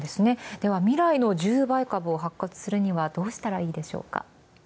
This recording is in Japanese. では未来の１０倍株を発掘するにはどうしたらいいでしょうか。